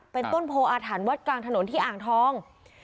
เป็นต้นโพออาถรรพ์วัดกลางถนนที่อ่างทอง